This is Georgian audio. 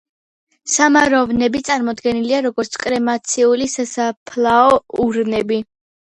სამაროვნები წარმოდგენილია როგორც კრემაციული სასაფლაო ურნები.